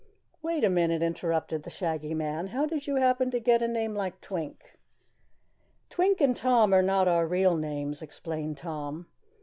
"Wait a minute," interrupted the Shaggy Man. "How did you happen to get a name like Twink?" "Twink and Tom are not our real names," explained Tom.